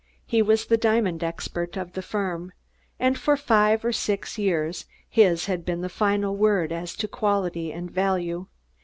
He was the diamond expert of the firm; and for five or six years his had been the final word as to quality and value.